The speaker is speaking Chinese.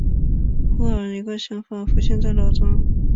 忽然一个想法浮现在脑中